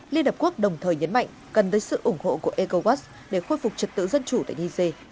liên hợp quốc đồng thời nhấn mạnh cần tới sự ủng hộ của ecowas để khôi phục trật tự dân chủ tại niger